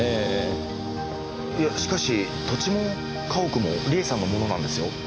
いやしかし土地も家屋も梨絵さんのものなんですよ？